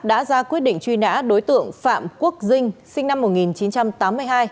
đã ra quyết định truy nã đối tượng phạm quốc dinh sinh năm một nghìn chín trăm tám mươi hai